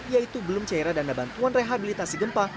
yaitu belum cairan dana bantuan rehabilitasi gempa